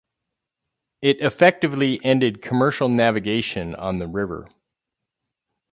It effectively ended commercial navigation on the river.